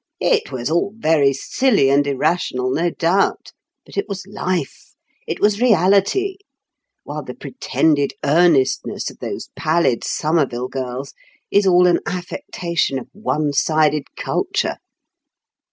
It was all very silly and irrational, no doubt, but it was life, it was reality; while the pretended earnestness of those pallid Somerville girls is all an affectation of one sided culture."